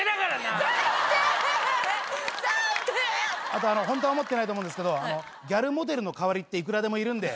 あとホントは思ってないと思うんですけどギャルモデルの代わりっていくらでもいるんで。